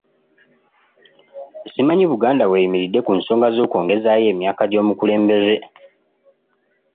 Simanyi Buganda w'eyimiridde ku nsonga z'okwongezaayo emyaka gy'omukulembeze.